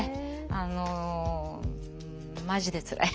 あのマジでつらい。